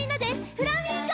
フラミンゴ。